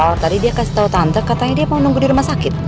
kalau tadi dia kasih tahu tante katanya dia mau nunggu di rumah sakit